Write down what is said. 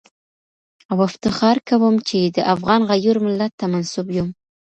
او افتخار کوم چي د افغان غیور ملت ته منسوب یم